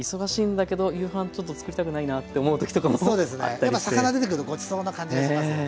やっぱ魚出てくるとごちそうな感じがしますよね。